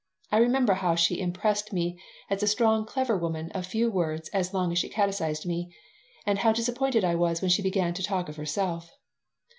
I remember how she impressed me as a strong, clever woman of few words as long as she catechised me, and how disappointed I was when she began to talk of herself.